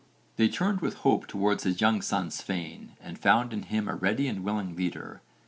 They turned with hope towards his young son Svein, and found in him a ready and willing leader.